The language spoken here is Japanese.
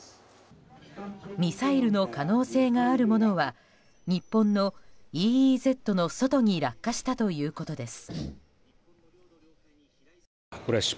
ミサイルの可能性があるものは日本のＥＥＺの外に落下したということです。